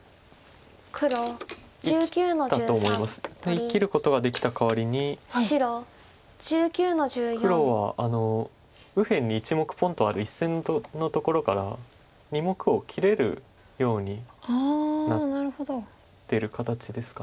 生きることができたかわりに黒は右辺に１目ポンとある１線のところから２目を切れるようになってる形ですか。